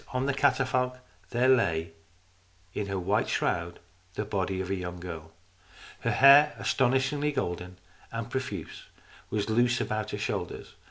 On the catafalque there lay in her white shroud the body of a young girl. Her hair, astonishingly golden and profuse, was loose about her shoulders.